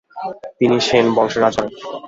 তিনি সেন বংশের রাজত্ব করেন।